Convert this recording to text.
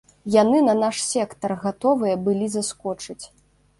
Яны на наш сектар гатовыя былі заскочыць.